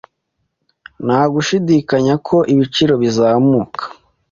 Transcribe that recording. Nta gushidikanya ko ibiciro bizamuka.